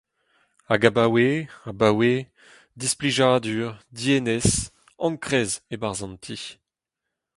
Hag abaoe… abaoe… Displijadur, dienez, enkrez e-barzh an ti…